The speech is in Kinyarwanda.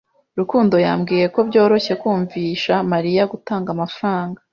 Rukundo yambwiye ko byoroshye kumvisha Mariya gutanga amafaranga.